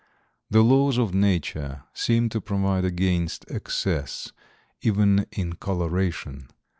The laws of Nature seem to provide against excess even in coloration.